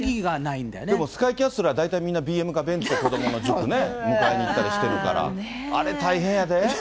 でもスカイキャッスルはみんなＢＭかベンツで子どもを迎えに行ったりしてるから、あれ、大変やで。